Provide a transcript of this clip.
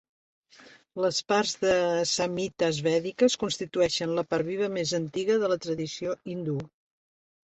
Les parts de "Samhitas Vèdiques" constitueixen la part viva més antiga de la tradició hindú.